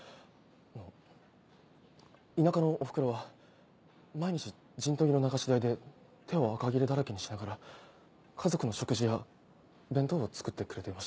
田舎のおふくろは毎日ジントギの流し台で手をあかぎれだらけにしながら家族の食事や弁当を作ってくれていました。